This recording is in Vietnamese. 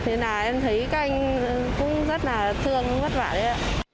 thế nào em thấy các anh cũng rất là thương rất là vất vả đấy ạ